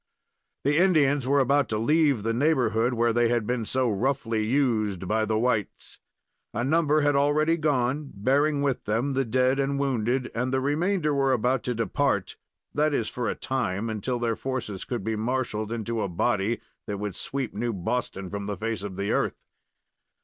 The Indians were about to leave the neighborhood where they had been so roughly used by the whites. A number had already gone, bearing with them the dead and wounded, and the remainder were about to depart that is, for a time, until their forces could be marshaled into a body that would sweep New Boston from the face of the earth.